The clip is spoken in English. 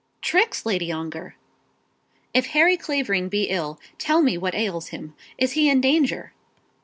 "Tricks, Lady Ongar!" "If Harry Clavering be ill, tell me what ails him. Is he in danger?"